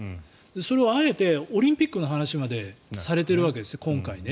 それをあえてオリンピックの話までされているんです、今回。